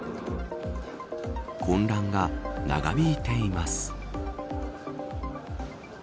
混乱が長引いています。